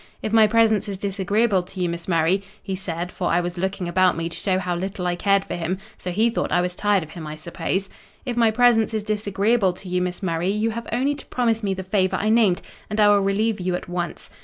If my presence is disagreeable to you, Miss Murray,' he said (for I was looking about me to show how little I cared for him, so he thought I was tired of him, I suppose)—'if my presence is disagreeable to you, Miss Murray, you have only to promise me the favour I named, and I will relieve you at once.